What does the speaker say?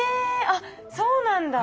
あっそうなんだ。